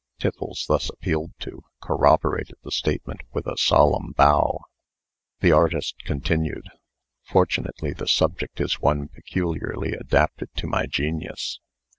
Tiffles, thus appealed to, corroborated the statement with a solemn bow. The artist continued: "Fortunately, the subject is one peculiarly adapted to my genius.